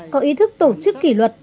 có ý thức tổ chức kỷ luật